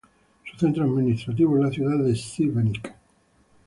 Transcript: Su centro administrativo es la ciudad de Šibenik.